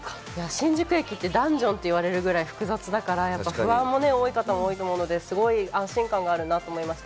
新宿駅ってダンジョンって言われるぐらい複雑だから、不安の多い方も多いと思うので、すごい安心感があるなと思いました。